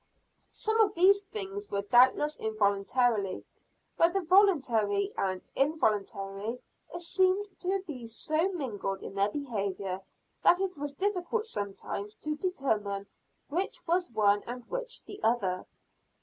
Some of these things were doubtless involuntary but the voluntary and involuntary seemed to be so mingled in their behavior, that it was difficult sometimes to determine which was one and which the other.